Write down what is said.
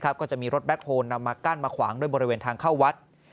ก็จะมีรถแบ็คโฮลนำมากั้นมาขวางด้วยบริเวณทางเข้าวัด